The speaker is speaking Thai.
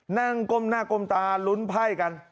ก้มหน้าก้มตาลุ้นไพ่กัน